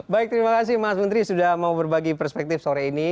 baik terima kasih mas menteri sudah mau berbagi perspektif sore ini